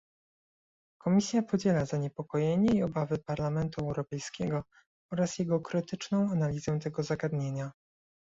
Komisja podziela zaniepokojenie i obawy Parlamentu Europejskiego oraz jego krytyczną analizę tego zagadnienia